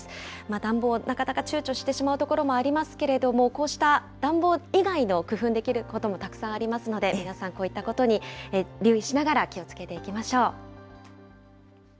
暖房、なかなかちゅうちょしてしまうところもありますけれども、こうした暖房以外の工夫できることもたくさんありますので、皆さん、こういったことに留意しながら気をつけていきましょう。